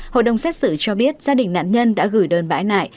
hội đồng xét xử cho biết gia đình nạn nhân đã gửi đơn bãi nại